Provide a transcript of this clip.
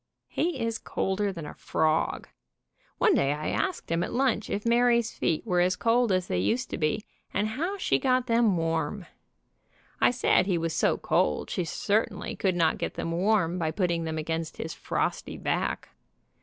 He is colder than a frog. One day I asked him at lunch if Mary's feet were as cold as they used to be, and how she got them warm. I said he. was so cold she certainly could not get them warm by put ting them against his frosty back.